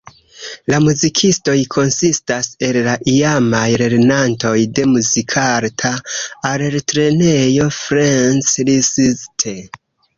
La muzikistoj konsistas el la iamaj lernantoj de Muzikarta Altlernejo Ferenc Liszt.